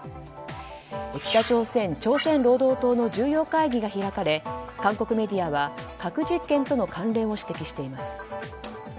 北朝鮮、朝鮮労働党の重要会議が開かれ韓国メディアは核実験との関連を指摘しています。